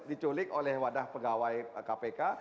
diculik oleh wadah pegawai kpk